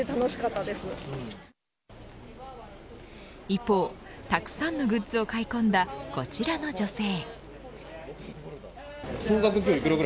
一方たくさんのグッズを買い込んだこちらの女性。